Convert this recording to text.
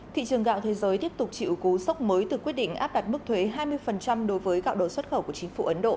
thị trường gạo thế giới tiếp tục chịu cú sốc mới từ quyết định áp đặt mức thuế hai mươi đối với gạo đồ xuất khẩu của chính phủ ấn độ